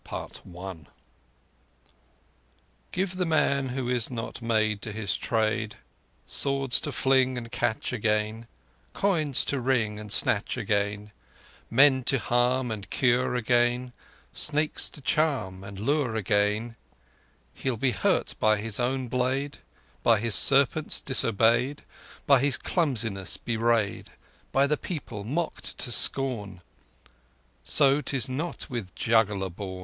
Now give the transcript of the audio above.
CHAPTER XI Give the man who is not made To his trade Swords to fling and catch again, Coins to ring and snatch again, Men to harm and cure again, Snakes to charm and lure again— He'll be hurt by his own blade, By his serpents disobeyed, By his clumsiness bewrayed," By the people mocked to scorn— So 'tis not with juggler born!